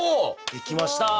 できました！